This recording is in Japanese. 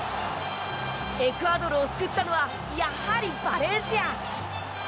エクアドルを救ったのはやはりバレンシア。